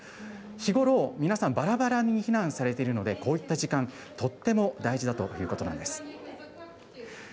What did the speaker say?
日頃、皆さん、ばらばらに避難されているので、こういった時間、とっても大事だということなんです。